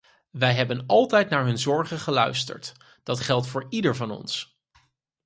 Wij hebben altijd naar hun zorgen geluisterd; dat geldt voor ieder van ons.